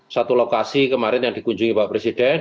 satu lokasi kemarin yang dikunjungi pak presiden